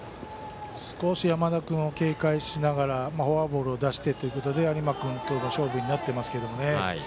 少し山田君を警戒しながらフォアボールを出してということで有馬君との勝負になっていますけれどもね。